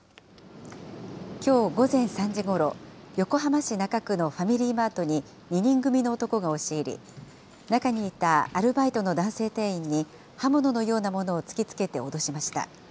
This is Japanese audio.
きょう午前３時ごろ、横浜市中区のファミリーマートに２人組の男が押し入り、中にいたアルバイトの男性店員に刃物のようなものを突きつけて脅しました。